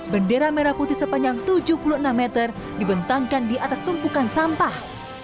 bendera merah putih sepanjang tujuh puluh enam meter dibentangkan di atas tumpukan sampah